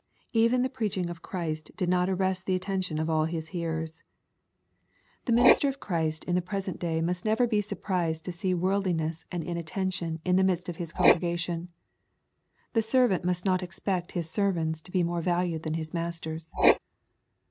Even the preaching of Christ did not arrest the attention of all His hearers. The minister of 72 EXPOSITORY THOUGHTS. Christ in the present day must never be surprised to see worldliness and inattention in the midsfc of his congre gation. The servant must not expect his sermons to be more valued than his Master's.